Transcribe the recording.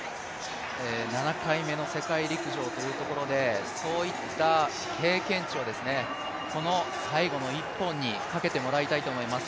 ７回目の世界陸上というところで、そういった経験値をこの最後の一本にかけてもらいたいと思います。